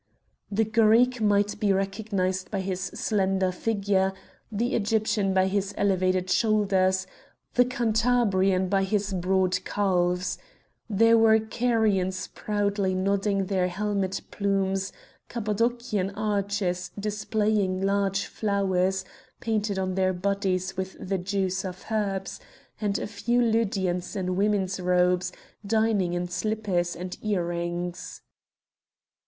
The Greek might be recognised by his slender figure, the Egyptian by his elevated shoulders, the Cantabrian by his broad calves. There were Carians proudly nodding their helmet plumes, Cappadocian archers displaying large flowers painted on their bodies with the juice of herbs, and a few Lydians in women's robes, dining in slippers and earrings.